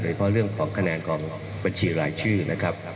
เพราะเรื่องของคะแนนของบัญชีรายชื่อนะครับ